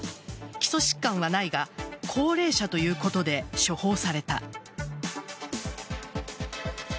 基礎疾患はないが高齢者ということで処方された。